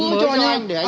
em thích xử lý em xử lý